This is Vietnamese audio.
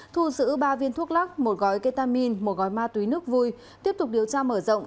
thu giữ ba viên thuốc lắc một gói ketamin một gói ma túy nước vui tiếp tục điều tra mở rộng